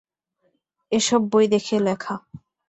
এ সব বই দেখে লেখা।